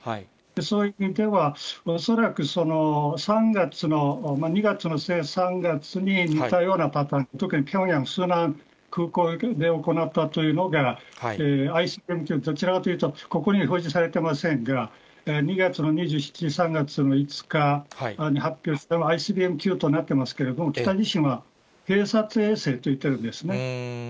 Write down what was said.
そういう意味では、恐らく３月の、２月の末、３月に似たようなパターン、特にピョンヤン、スナン空港付近で行ったというのが、ＩＣＢＭ級、どちらかというと、ここには表示されていませんが、２月の２７日、３月の５日に発表されたＩＣＢＭ級となっていますけれども、北自身は、偵察衛星と言ってるんですね。